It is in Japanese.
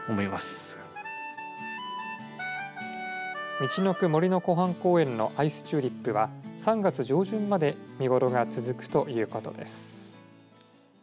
みちのく杜の湖畔公園のアイスチューリップは３月上旬まで見頃が続くということです。